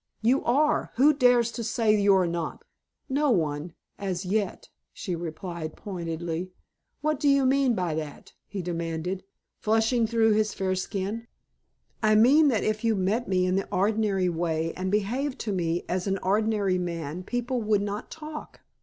"You are. Who dares to say that you are not?" "No one as yet," she replied pointedly. "What do you mean by that?" he demanded, flushing through his fair skin. "I mean that if you met me in the ordinary way, and behaved to me as an ordinary man, people would not talk.